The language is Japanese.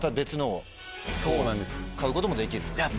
買うこともできると。